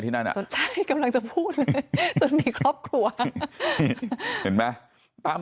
นั่นอ่ะจนใช่กำลังจะพูดเลยจนมีครอบครัวเห็นไหมตาม